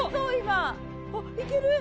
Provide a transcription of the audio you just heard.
あっいける！